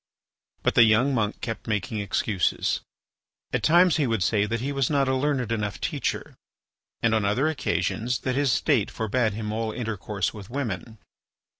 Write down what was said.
But the young monk kept making excuses. At times he would say that he was not a learned enough teacher, and on other occasions that his state forbade him all intercourse with women.